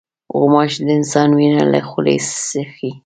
غوماشې د انسان وینه له خولې څښي.